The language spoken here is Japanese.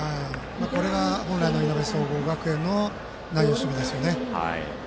これが本来のいなべ総合学園の内野守備ですよね。